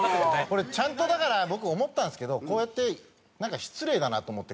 これちゃんとだから僕思ったんですけどこうやってなんか失礼だなと思って。